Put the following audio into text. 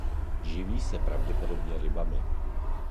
Živí se pravděpodobně rybami.